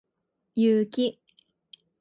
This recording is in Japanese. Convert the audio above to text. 雪